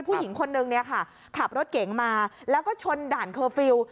ผู้หญิงคนนึงเนี่ยค่ะขับรถเก๋งมาแล้วก็ชนด่านเคอร์ฟิลล์